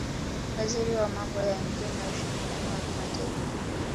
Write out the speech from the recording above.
waziri wa mambo ya nje na ushirikiano wa kimataifa